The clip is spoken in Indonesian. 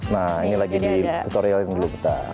nah ini lagi di tutorial yang dulu bentar